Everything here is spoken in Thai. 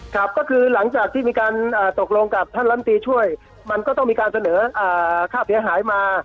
ครับก็คือหลังจากที่มีการตกลงกับท่านลำตีช่วยมันก็ต้องมีการเสนอค่าเสียหายมา